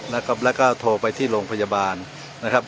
แล้วก็โทรไปที่โรงพยาบาลนะครับ